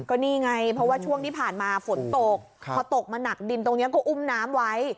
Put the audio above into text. ก็นี่ไงเพราะว่าช่วงที่ผ่านมาฝนตกพอตกมาหนักดินตรงนี้ก็อุ้มน้ำไว้